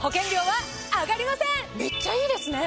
めっちゃいいですね！